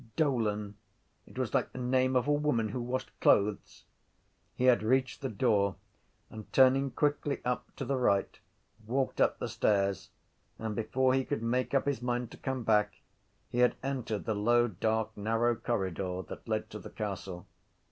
Dolan: it was like the name of a woman who washed clothes. He had reached the door and, turning quickly up to the right, walked up the stairs; and, before he could make up his mind to come back, he had entered the low dark narrow corridor that led to the castle.